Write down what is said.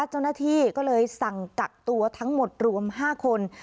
เจ้าหน้าที่ก็เลยสั่งกักตัวทั้งหมดรวม๕คน